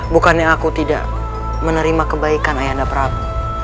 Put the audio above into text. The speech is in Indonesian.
bukannya aku tidak menerima kebaikan ayah anda prabu